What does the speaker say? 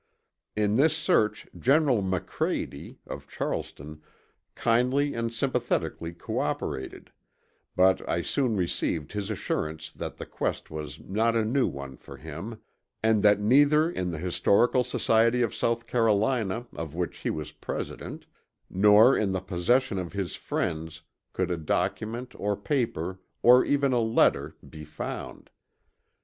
In this search General McCrady, of Charleston kindly and sympathetically co operated, but I soon received his assurance that the quest was not a new one for him, and that neither in the Historical Society of South Carolina of which he was President nor in the possession of his friends could a document or paper or even a letter be found.